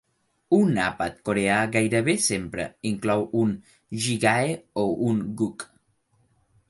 Un àpat coreà gairebé sempre inclou un "jjigae" o un "guk".